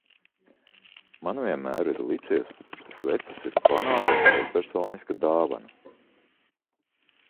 Man vienmēr ir licies, ka sveces ir banāla un bezpersoniska dāvana.